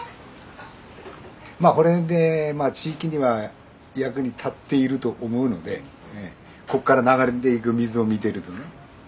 まあこれでまあ地域には役に立っていると思うのでこっから流れていく水を見てるとね。